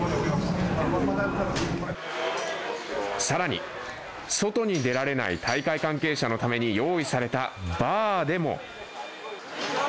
さらに外に出られない大会関係者のために用意されたバーでも。